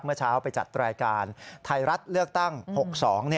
เมื่อเช้าไปจัดรายการไทยรัฐเลือกตั้ง๖๒